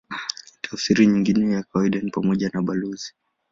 Tafsiri nyingine ya kawaida ni pamoja na balozi.